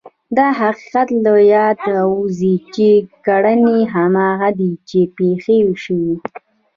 دا حقیقت له یاده ووځي چې کړنې هماغه دي چې پېښې شوې.